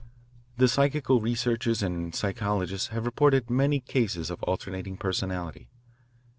The psychical researchers and psychologists have reported many cases of alternating personality.